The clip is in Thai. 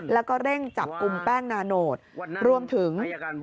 แล้วก็เร่งจับกลุ่มแป้งนาโนตรวมถึง